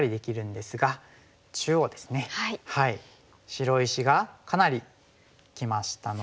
白石がかなりきましたので。